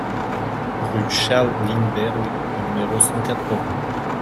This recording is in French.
Rue Charles Lindberg au numéro cent quatre-vingts